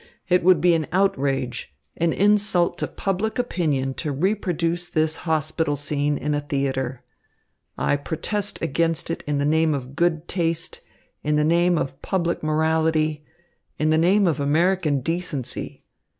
It would be an outrage, an insult to public opinion to reproduce this hospital scene in a theatre. I protest against it in the name of good taste, in the name of public morality, in the name of American decency.